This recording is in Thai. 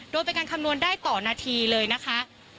โดยเป็นการคำนวณได้ต่อนาทีเลยนะคะ